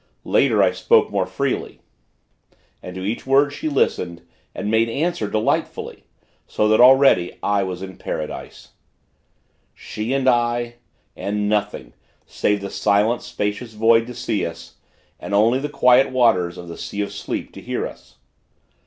Later, I spoke more freely, and to each word she listened, and made answer, delightfully; so that, already, I was in Paradise. She and I; and nothing, save the silent, spacious void to see us; and only the quiet waters of the Sea of Sleep to hear us.